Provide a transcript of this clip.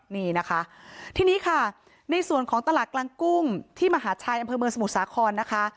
นี่นะคะทีนี้ค่ะในส่วนของตลาดกลางกุ้งที่มหาชัยอำเภอเมืองสมุทรสาครนะคะ